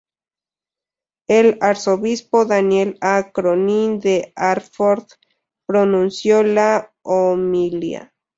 El Arzobispo Daniel A. Cronin de Hartford pronunció la homilía.